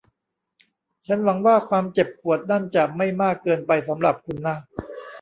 ฉันหวังว่าความเจ็บปวดนั่นจะไม่มากเกินไปสำหรับคุณนะ